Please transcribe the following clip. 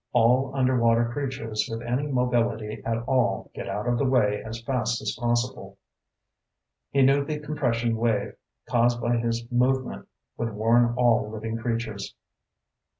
All underwater creatures with any mobility at all get out of the way as fast as possible. He knew the compression wave caused by his movement would warn all living creatures.